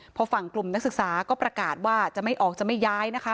พอฝั่งกลุ่มนักศึกษาก็ประกาศว่าจะไม่ออกจะไม่ย้ายนะคะ